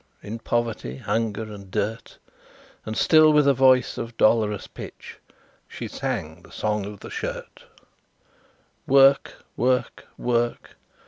In poverty, hunger, and dirt, And still with a voice of dolorous pitch She sang the "Song of the Shirt." "Work! work! work!